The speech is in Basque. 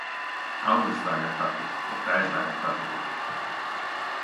Hau ez da gertatu, eta ez da gertatuko.